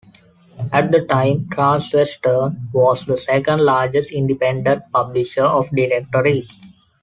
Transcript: At the time, TransWestern was the second largest independent publisher of directories.